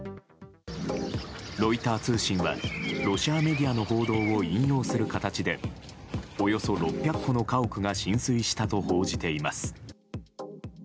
ロイター通信はロシアメディアの報道を引用する形でおよそ６００戸の家屋が浸水したと報じています。